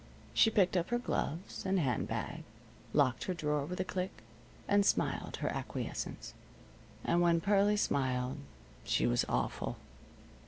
She picked up her gloves and hand bag, locked her drawer with a click, and smiled her acquiescence. And when Pearlie smiled she was awful.